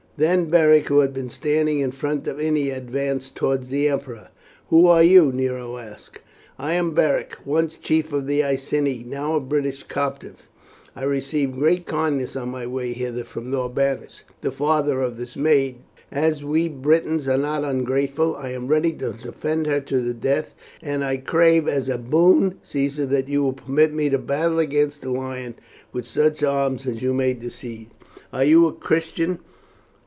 Then Beric, who had been standing in front of Ennia, advanced towards the emperor. "Who are you?" Nero asked. "I am Beric, once chief of the Iceni, now a British captive. I received great kindness on my way hither from Norbanus, the father of this maid. As we Britons are not ungrateful I am ready to defend her to the death, and I crave as a boon, Caesar, that you will permit me to battle against the lion with such arms as you may decide." "Are you a Christian?"